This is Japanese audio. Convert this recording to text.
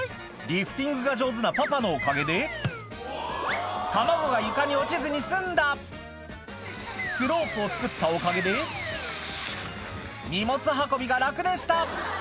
リフティングが上手なパパのおかげで卵が床に落ちずに済んだスロープを作ったおかげで荷物運びが楽でした！